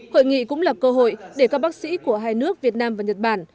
hội nghị cũng là cơ hội để các bác sĩ của hai nước việt nam và nhật bản